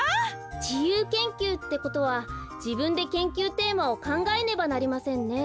じゆう研究ってことはじぶんで研究テーマをかんがえねばなりませんね。